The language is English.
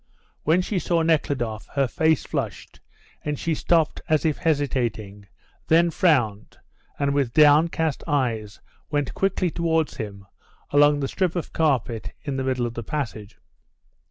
When she saw Nekhludoff her face flushed, and she stopped as if hesitating, then frowned, and with downcast eyes went quickly towards him along the strip of carpet in the middle of the passage.